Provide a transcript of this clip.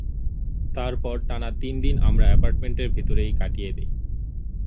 তারপর টানা তিন দিন আমরা এপার্টম্যান্টের ভিতরেই কাটিয়ে দিই।